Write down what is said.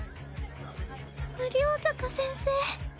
無量坂先生。